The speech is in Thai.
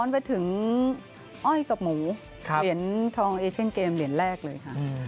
ประกบมากับทุกคนเลย